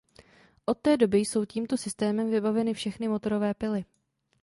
Od té doby jsou tímto systémem vybaveny všechny motorové pily.